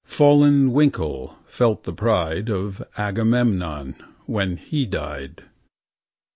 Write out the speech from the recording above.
59 Fallen Winkle felt the pride Of Agamemnon When he died